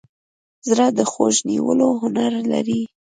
زړه د غوږ نیولو هنر لري.